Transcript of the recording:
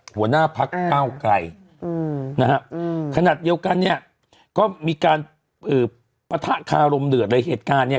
หัวหน้าพักเก้าไกลนะฮะขนาดเดียวกันเนี่ยก็มีการปะทะคารมเดือดเลยเหตุการณ์เนี่ย